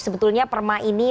sebetulnya perma ini